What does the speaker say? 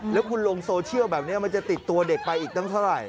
แล้วคุณลงโซเชียลแบบนี้มันจะติดตัวเด็กไปอีกตั้งเท่าไหร่